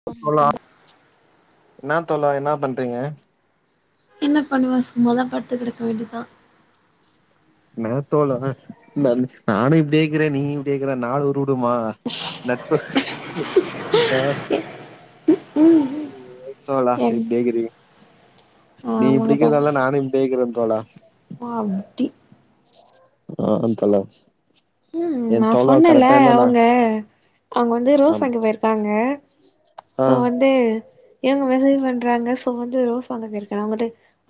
[unintelligible] என்னாத் தோழா என்னா பண்றீங்க என்ன பண்ணுவே சும்மாதா படுத்து கெடக்க வேண்டிதா இன்னா தோழா நானு நானு இப்டிக்கிறே நீயு இப்டேக்கிற நாடு உருபுடுமா நட்பு அ அ [unintelligible] தோழா இப்டியேகிறிங் நீ ஆமாங்க இப்டிக்கிற்தால்தா நானு இப்டியேக்கிறே தோழா ஓ அப்டி ஆம் தோழா எ நா தோழா சொன்னேல்ல கரெக்டா இருந்தானா அவுங்க அவுங்க வந்து ரோஸ் ஆம் வாங்க போயிருக்காங்க ஆ சோ வந்து இவுங்க மெசேஜ் பண்றாங்க சோ வந்து ரோஸ் வாங்க போயிருக்கா அவுங்கட்ட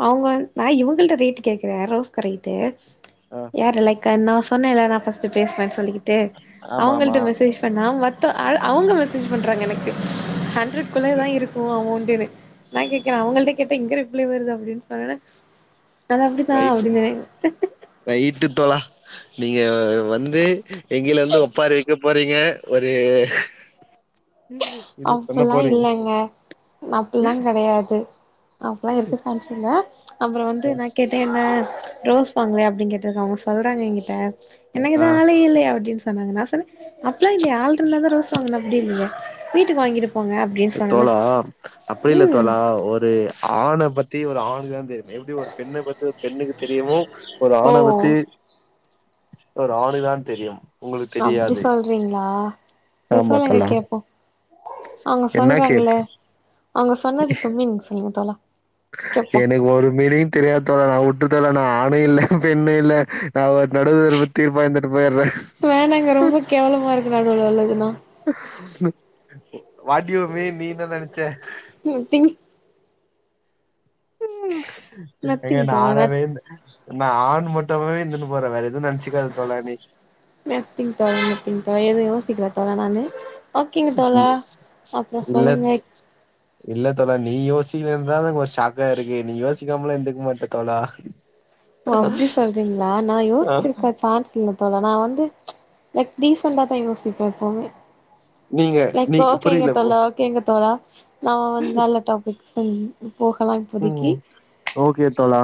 அவுங்க நா இவங்கள்ட ரேட்டு கேக்குறே ரோஸ்க்கு ரேட்டு ஆ யாரு லைக்கு நா சொன்னேல்ல நா ஃபஸ்ட்டு பேசுனன் சொல்லிக்கிட்டு ஆமா ஆமா அவுங்கள்ட மெசேஜ் இப்ப நா மத்த அ அவுங்க மெசேஜ் பண்றாங்க எனக்கு அண்ட்ரட் குள்ளயே தா இருக் கு அமௌண்டுனு நா கேக்குறேன அவங்கள்ட்ட கேட்டா இங்க ரிப்லே வருது அப்டின் சொன்னொன்ன அது அப்டிதா அப்டின் சொன்னே நைட்டு தோழா நீங்க வந்து எங்கில வந்து ஒப்பாரி கப் போறீங்க ஒரு இது பண்ண அப்புல்லா போறீங்க இல்லேங்க அப்புல்லாங் கெடையாது அப்பல்லா இருக்க சான்ஸ் இல்ல அப்புறோ வந்து நா கேட்டே என்ன ரோஸ் வாங்ற அப்டின் கேட்டுருக்காங்க சொல்றாங்க எங்கிட்ட ஆ எனக்குதா ஆளே இல்லயே அப்டின் சொன்னாங்க நா சொன்ன அப்ல்லா இல்லியே ஆள் ருந்தாதா ரோஸ் வாங்கனு அப்டி இல்லியே வீட்டுக்கு வாங்கிட்டு போங்க அப்டின்னு சொன்னேன்னா தோழா அப்டி இல்ல ம் தோழா ஒரு ஆண பத்தி ஒரு ஆணுக்குதா தெரியு எப்டி ஒரு பெண்ண பத்தி ஒரு பெண்ணுக்கு தெரியுமோ ஒரு ஓ ஆண பத்தி ஒரு ஆணுக்குதா தெரியும் உங்களுக்கு அப்டி தெரியாது சொல்றீங்ளா செர் ஆமா சொல்லுங்க தோழா கேப்போ அவுங்க என்ன சொல்றாங்கள கேப் அவுங்க சொன்னதுக்கு மீனிங் சொல்லுங்க தோழா கேப்போ என ஒரு மீனிங்கு தெரியாத் தோழா நா உட்ரு தோழா நா ஆணு இல்ல பெண்ணு இல்ல நா ஒர் நடுதர ப தீர்ப்பா இர்ந்துட்டு போயிற்ற வேணாங்க ரொம்ப கேவலமா இருக்கு நடுவுல உள்ளதுனா வாட் யூ மீன் நீ இன்ன நெனச்ச நத்திங் ஏங்க நத்திங் நா தோழா நத் ஆணவே இந்த என்ன ஆண் மட்டுவே இந்துனு போறே வேற எதுவு நென்ச்சுக்காத தோழா நீ நத்திங் தோழா நந்திங் தோழா எதுவு யோசிக்கல தோழா நானு ஓகேங்க நீ தோழா அப்றோ இல்ல சொல்லுங்க இல்ல தோழா நீ யோசிக்கலன்தா எனக் ஒரு ஷாக்கா இருக்கு நீ யோசிக்காமலா இர்ந்துக்க மாட்ட தோழா ஓ அப்டி சொல்றீங்ளா நா ஆ யோசிச்சிருக்க சான்ஸ் இல்ல தோழா நா வந்து லைக் டிசெண்டாதா யோசிப்பே எப்பவுமே நீங்க நா நீ இப்போ ஓகேங்க புரியல ப்ரோ தோழா ஓகேங்க தோழா நா வந்த் நல்ல டாபிக் [unintelligible] போகலாம் ம் ஓகே தோழா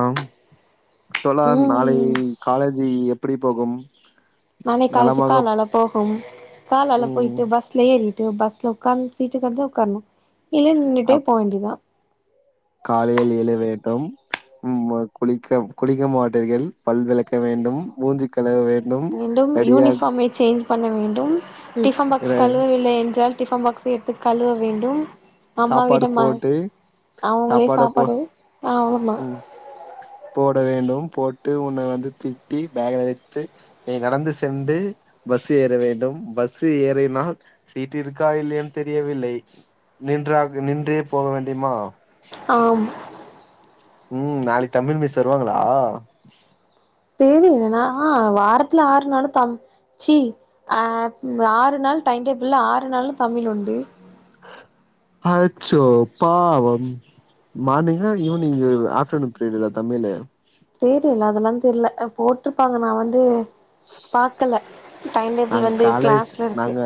தோழா ம் நாளைக்கு காலேஜ்ஜு எ ப்பிடி போகும் நாளை காலேஜிக்கா நலமாக நல்லா போகும் காலால ம் போய்ட்டு பஸ் ஸிலே ஏறிட்டு பஸ்ல உக்காந் சீட்டு கெடச்சா உக்கார்ணு இல்ல நின்னுட்டே அப் போவேண்டிதா காலையில் எழ வேண்டும் ம்ம குளிக்க குளிக்க மாட்டீர்கள் பல் விளக்க வேண்டும் மூஞ்சு கழுவ வேண் வேண்டும் யூனிஃபாமை சேஞ்ச் பண்ண வேண்டும் டிஃபன் பாக்ஸ் கழுவவில்லை என்றால் டிஃபன் பாக்ஸை எட்த்து கழுவ வேண்டும் சாப்பாடு அம்மாவிடம்மா போட்டு அவுங்களே சாப்பாடு ஆ ஆவம்மா ம் போட வேண்டும் போட்டு உன்ன வந்து திட்டி பேக்கல வெத்து நீ நடந்து சென்டு பஸ்ஸு ஏற வேண்டும் பஸ்ஸு ஏறினால் சீட்டு இருக்கா இல்லையான் தெரியவில்லை நின்றாக நின்றே போக வேண்டியுமா ஆம் ம் நாளைக்கு தமிழ் மிஸ் வருவாங்களா தெரில நா வாரத்துல ஆறு நாளு தம் ச்சி ஆ ஆறு நாள் டைம்டேபிள்ள ஆறு நாளு தமிழ் உண்டு அச்சோ பாவம் மானிங்கா ஈ்வ்னிங் அஃப்டர்நூன் பீரிடு இல்ல தமிழு தெரில அதெல்லா தெரியல போட்டிருப்பாங்க நா வந்து பாக்கல டைம் டேபிள் நாங்க வந்து காலேஜ் கிளஸ்ல இருக்கு நாங்க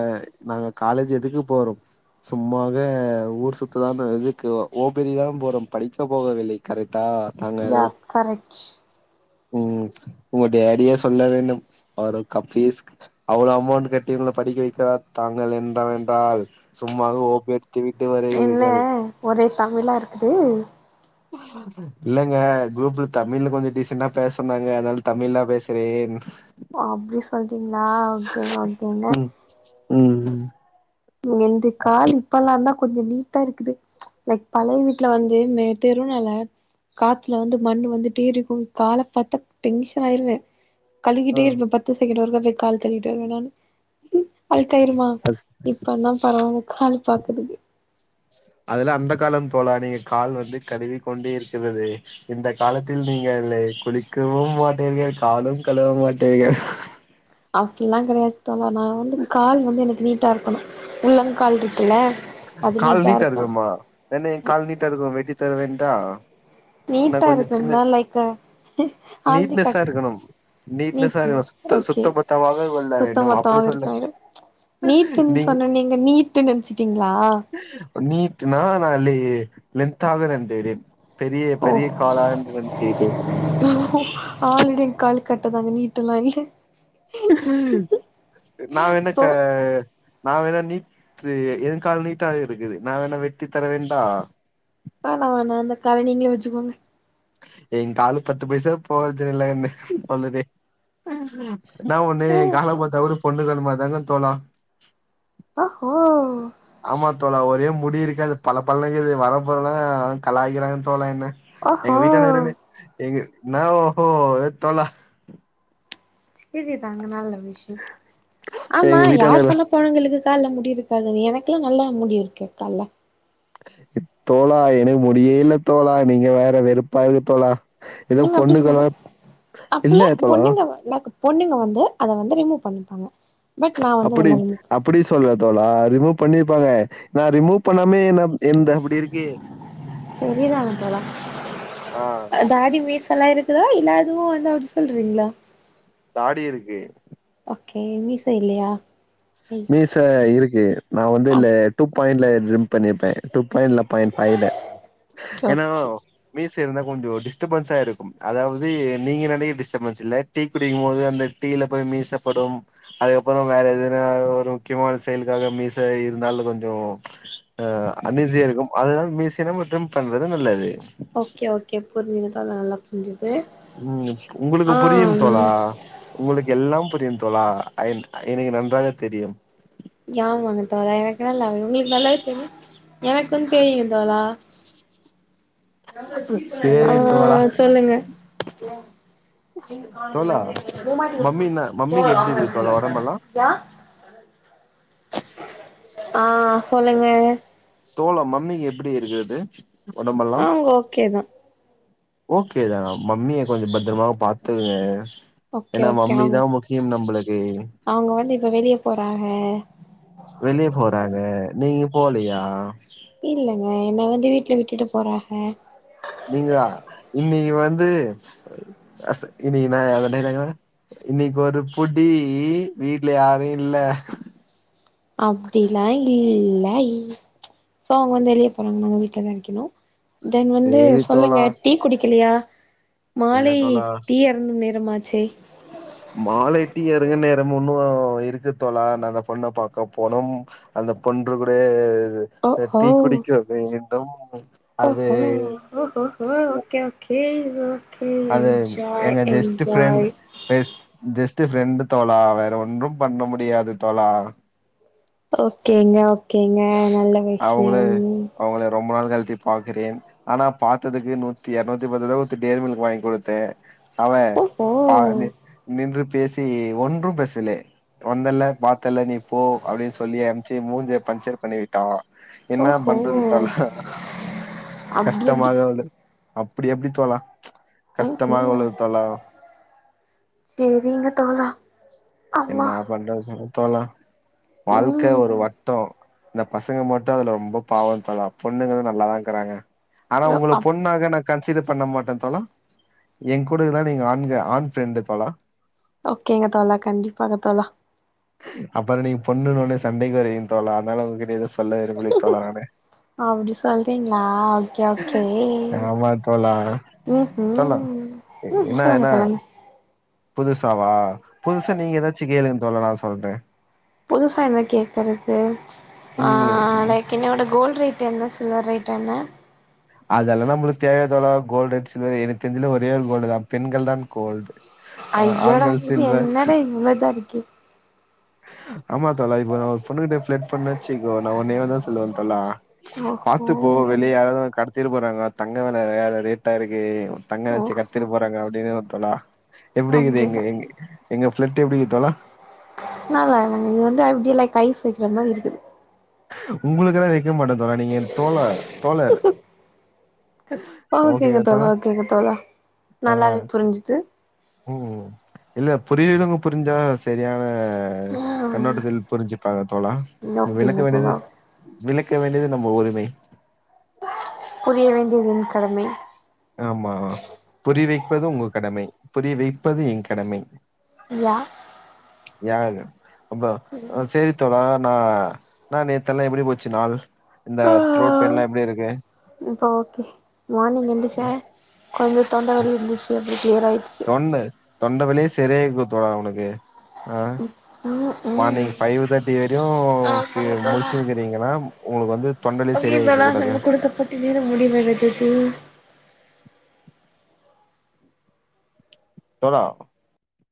நாங்க காலேஜ் எதுக்கு போறோம் சும்மாக ஊர் சுத்துதா இதுக்கு ஓபரிதா போறோ படிக்க போகவில்லை கரெக்டா யா கரெக்ட் உம் உங்க டேடியா சொல்ல வேண்டும் அவர் ஒரு கபீஸ் அவ்ளோ அமௌண்ட்டு கட்டி உங்ளப் படிக வைக்கிறார் தாங்கள் என்ற வென்றால் சும்மாக ஓப்பி அடித் திவிட்டுவார் என்ன ஒரே தமிழா இருக்கு இல்லங்க குரூப்ல தமிழ்ல கொஞ்சம் டிசன்டா பேஸ் சொன்னாங்க அதால தமிழ்லா பேசுறேன் ஓ அப்டி சொல்டிங்களா ஓகேங்க ஓகேங்க உம் என்து காலி இப்பல்லான் தான் கொஞ்சம் நீட்டா இருக்குது லைக் பழைய வீட்ல வந்து மே தெரும் நால காத்துல வந்து மண்ணு வந்துட்டே ருக்கும் கால பாத்த டென்ஷன் ஆயிருவேன் கழுவிக்கிட்டே இருப்பன் பத்து செகண்ட் ஒருக்கா பேய் கால் கழுவிட்டு வருவேன் நானு அழக்காயிருமா இப்ப தான் பரவால்ல கால் பாக்கதுக்கு அதெல்லா அந்த காலம் தோழா நீங்க கால் வந்து கழுவி கொண்டே இருக்கிறது இந்த காலத்தில் நீங்க இல்லை குளிக்கவும் மாட்டீர்கள் காலும் கழுவ மாட்டீர்கள் அப்டில்லாம் கெடையாது தோழா நா வந்து கால் வந்து எனக்கு நீட்டா ருக்கணும் உள்ளங்கால் இருக்குல கால் நீட்டா இருக்கம்மா வேன்னா என் கால் நீட்டா ருக்கும் வெட்டி தருவேன்டா நீட்டா இருக்குனா லைக்கு ஆல்ரெடி க நீட்னஸா இருக்கணும் நீட்னஸா நீட் இருக்கணும் சுத்த ஓகே சுத்த பத்தமாக கொள்ள சுத்த வேண்டும் அப்படி மொத்தமாக இருக்க சொல்ல வேண்டும் நீட்டுன் நீங் சொன்னொன்னே நீங்க நீட்டு நெனச்சிட்டீங்ளா நீட்டுனா நா லெ லென்த் ஆக நெனைத்து விட்டே பெரிய ஓ பெரிய காலா என்று நெனைத்து விட்டேன் பெரிய காலு கட்ட தாங்க நீட்டல்லா இல்ல ம் நா வெனா சோ க நா வெனா நீ இது என் கால் நீட்டாக இருக்குது நா வேனா வெட்டி தர வேண்டா வேணா வேணா அந்த கால நீங்களே வச்சுக்கோங்க எங்காலு பத்து பைசா போஜனல்லனு சொல்லுதே என்னா ஒண்ணு கால பாத்தா கூட பொண்ணு கால் மாதி தாங்க தோனு ஓஹோ ஆமா தோழா ஒரே முடி இருக்காது பல பலக்குது வர போறலாம் கலாய்குறாங்க தோழா என்ன எங்க ஓஹோ வீட்டான இருன்னு எங்க என்ன ஓஹோ தோழா சேரிதாங்க நல்ல விஷயம் ஆமா எங்க வீட்டானு யார் சொன்னப் பொன்னுங்களுக்கு கால்ல முடியிருக்காதுனு எனக்குல்லா நல்லா முடி இருக்கு கால்ல தோழா எனக்கு முடியேல்ல தோழா நீங்க வேற வெறுப்பா இருக்கு தோழா ஏதோ நீங்க அப்டி சொல் பொண்ணுக்கெல்லாம் இல்ல அப்புல்ல தோழா பொண்ணுங்க மேக்கப் பொண்ணுங்க வந்து அத வந்து ரிமூ பண்ணிப்பாங்க பட் நா வந்து அப்புடி அதெல்லா ரிமூவ் அப்புடி சொல்லல தோழா ரிமூ பண்ணிர்ப்பாங்க நா ரிமூ பண்ணாமே நா சரிதாங் தோழா ஆ அ தாடி மீசல்லா இருக் குதுதா இல்ல அதுவு இல்ல அப்டி சொல்றீங்ளா தாடி இருக்கு ஓகே மீச இல்லையா ஐ மீச இருக்கு நா வந்து இல்ல டூ பாய்ண்ட்ல ட்ரிம் பண்ணிப்பே டூ பாய்ண்ட்ல பாய்ன் ஃபைல ஓகே எனோ ஓகே மீச இருந்தா கொஞ்சோ டிஸ்டபன்ஸா இருக்கும் அதாவுது நீங்க நெனைக டிஸ்டபன்ஸ் இல்ல டீ குடிக்குமோது அந்த டீல போய் மீசப்படும் அதுக்கப்புறோ வேற எதுனா ஒ ஒரு முக்கியமான செயலுக்காக மீச இருந்தாலு கொஞ்சோ ஆ அன்ஈஸியா இருக்கும் அதுனால மீசிய நம்ம ட்ரிம் பண்றது நல்லது ஓகே ஓகே புரிஞ்சுது தோழா நல்லா புரிஞ்சுது ம் உங்குளுக்கு ஆ புரியும் தோழா உங்குளுக்கு எல்லாம் புரியும் தோழா ஐந் எனுகு நன்றாக தெரியும் யாமாங்க தோழா எனக்கு நல்லாவே உங்ளுக்கு நல்லாவே தெரியு எனக்குந் தெரியும் தோழா ஆ சேரி தோழா சொல்லுங்க எது கால்ல தோழா வந்து மம்மினா மம்மிக்கு எப்டி இருக்கு தோழா ஒடம்பெல்லா [unintelligible] ஆ சொல்லுங்க தோழா மம்மிக்கு எப்புடி இருக்குது ஒடம்பெல்லாம் அவங்க ஓகே தா ஓகேதா மம்மிய கொஞ்சோ பத்ரமா பாத்துக்குங்க ஓகே எனா மம்மிதா முக்கியம் நம்ளுக்கு அவ்ங்க வந்து இப்ப வெளிய போறாக வெளிய போறாங்க நீங்க போலயா இல்லங்க என்ன வந்து வீட்ல விட்டுட்டு போறாக நீங்குலா இன்னிக்கு வந்து அஸ்ஸு இன்னிக்குதா வந்திருக்காங்களா இன்னைக் ஒரு புடி வீட்ல யாரு இல்ல அப்டிலா இல்லை சோ அவ்ங்க வந்து வெளிய போறாங்க நாங்க வீ்ட்லதா இருக்கெணு தென் வந்து சேரி சொல்லுங்க தோழா டீ குடிக்கலையா இல்ல மாலை தோழா டீய அர்ந்தும் நேரமாச்சே மாலை டீ அருங்க நேரம் உன்னு இருக்கு தோழா நா அந்த பொண்ண பாக்க போனும் அந்த பொண்று கூடயே இது ஓ அ டீக்குடிக்க வேண்டும் அது ஒஹோ ஓஹோஹோ ஒகே ஒகே ஓ கே அது என்ஜாய் எங்க just friend enjoy best just friend தோழா வேற ஒன்றும் பண்ண முடியாது தோழா ஓகேங்க ஓகேங்க நல்ல விஷ்யோ அவுங்குள ரொம்ப நாள் கழ்த்தி பாக்குறேன் ஆனா பாத்ததுக்கு நூத்தி எர்நூத்தி பத்துருவா குட்த்து டேரி மில்க்கு வாய்ங் குடுத்தே அவ ஓஹோ பா நி நின்று பேஸ் சி ஒன்றும் பேசலே வந்தல்ல பாத்தல்ல நீ போ அப்டின் சொல்லி அன் ச்சு மூஞ்ச பஞ்சர் பண்ணிவிட்டா என்ன ஓஹோ பண்றது தோழா அப்டி கஷ்டமா அப்டி இருக்கு அவளுக்கு அப்டி எப்டி தோழா ம்ஹும் கஷ்டமாக உள்ளது தோழா செரிங்க தோழா அம்மா என்னா பண்றது சொல் தோழா வாழ்க்கே ஒரு ம் வட்டோ இந்த பசங்க மட்டு அதுல ரொம்ப பாவொ தோழா பொண்ணுங்க நல்லதா இக்குறாங்க ஆனா ஓ உங்களுக் அப் பொண்ணா [unintelligible] கன்சிடர் பண்ண மாட்டே தோழா ஏ கூட இர்ந்தா நீங்க ஆண்க ஆண் ஃப்ரெண்டு தோழா ஓகேங்க தோழா கண்டிப்பாக தோழா அப்பறோ நீங்கப் பொண்ணுனோனே சண்டைகு வருவீகந் தோழா அதனால உங்ககிட்ட எது சொல்ல விரும்பிளித் தோழா நானு அப்டி சொல்றீங்ளா ஓகே ஓகே ஏமாத் தோழா ம் தோழா ம் ம் என்ன சொல்லுங்க என்ன சொல்லுங்க புதுசாவா புதுசா நீங்க எதாச்சு கேளுங்க தோழா நா சொல்ற புதுசா என்ன கேக்கறது ஆ உங்களு லைக் இன்னயோட கோல் ரேட் என்ன சொ சில்வர் ரேட்டென்ன அதெல்லா நம்மளுக் தேவையா தோழா கோல்டு ரெட் சில்வரு எனக் தெஞ்சல்லா ஒரே ஒரு கோல்டுதா பெண்கள் தான் கோல்ட் அ ஐயோடா ஆண்கள் இது சில்வர் என்னடா இவ்ளோதா இருக்கே ஆமா தோழா இப்போ நா பொண்ணு கிட்ட ஃப்லர்ட் பண்ண வெச்சிக்கோ நா ஒன்னே ஒன்னுதா சொல்லுவ தோழா ஓஹோ பாத்துப்போ வெளிய யாரது உன்ன கடத் கட்த்திட்டு போறாங்க தங்க வெல வேற ரேட்டா இருக்கு தங்கனாச்சு ஓஹோ கட்த்திட்டு போறாங்க அப்டின்னு தோழா எப்டி இக்குது எங்க அப்டின்னு எ எங்க ஃபிளட்டு எப்டி இக்கு தோழா நாலா இது வந்து அப்டிய எல்லா ஐஸ் வக்கிற மாரி இருக்கு உங்களுக்குதா வெக்க மாட்டே தோழா நீங்க தோழ தோழர் அ ஓகேங்க தோழா ஓகேங்க தோழா ஆ நல்லாவே புருஞ்சுது ம் இல்லப் புரியவெருங்க புரிஞ்சா செரியான ம் கண்ணோட்டத்தில் புருஞ்சுப்பாங்க தோழா விளக்க ஓகேங்க வேண்டியது தோழா விளக்க வேண்டியது நம்ப உரிமை புரிய வேண்டியதின் கடமை ஆமா புரிய வைப்பது உங்க கடமை புரிய வைப்பது என் கடமை இய்யா யாரு ஒங்க அ சேரி தோழா நா ன்னா நேத்தெல்லா எப்டி போச்சு நாள் இந்த த்ரோட் பெய்ன்லா எப்டி இருக்கு இப்ப ஓகே மார்னிங் எந்திச்ச கொஞ்சொ தொண்ட வலி இருந்துச்சு அப்றொ க்ளியர் ஆய்டுச்சு தொண்ட தொண்ட வலியே சரியாயிருக்கு தோழா உனக்கு ஆ ம் ம் மார்னிங் ஃபைவ் தேர்டி வரையு ஃபீ ஆமாங்க தோழா முழிச்சுருக்கிறீங்கனா உங்களுக்கு வந்து தொண்டலி சரியாயிருக்கக்கூடாது தீர முடிவெடுத்துட்டு தோழா